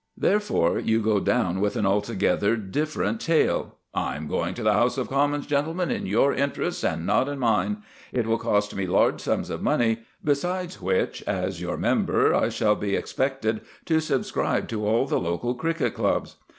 Therefore you go down with an altogether different tale: "I am going to the House of Commons, gentlemen, in your interests and not in mine. It will cost me large sums of money; besides which, as your member, I shall be expected to subscribe to all the local cricket clubs.